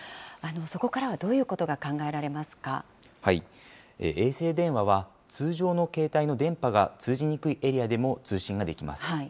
そこからはどういうことが考えら衛星電話は通常の携帯の電波が通じにくいエリアでも通信ができます。